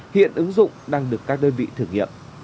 hiện ứng dụng đang được các đơn vị thử nghiệm